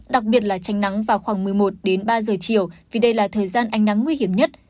đặc biệt là tranh nắng vào khoảng một mươi một đến ba giờ chiều vì đây là thời gian ánh nắng nguy hiểm nhất